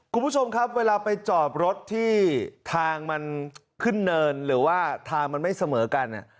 คุณผู้ชมครับเวลาไปจอดรถที่ทางมันขึ้นเนินหรือว่าทางมันไม่เสมอกัน